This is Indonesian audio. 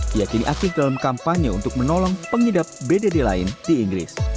diakini aktif dalam kampanye untuk menolong pengidap bdd lain di inggris